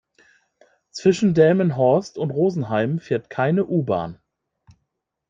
Zwischen Delmenhorst und Rosenheim fährt keine U-Bahn